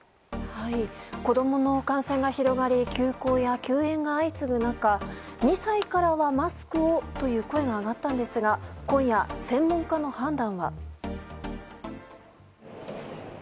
子供の感染が広がり休校や休園が相次ぐ中、２歳からはマスクをという声が上がったんですが今夜、専門家の判断は。